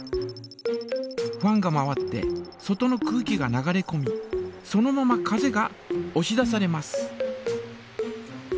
ファンが回って外の空気が流れこみそのまま風がおし出されます。